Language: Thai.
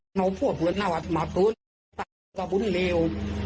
เหนาออกปวดนะวัดมัตตูขาบุ๊ดเลว